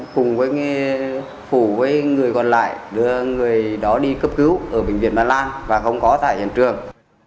cùng với phủ với người còn lại đưa người đó đi cấp cứu ở bệnh viện bà lan và không có tại hiện trường